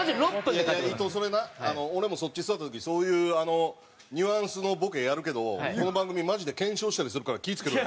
いやいや伊藤それな俺もそっち座った時そういうニュアンスのボケやるけどこの番組マジで検証したりするから気ぃ付けろよ。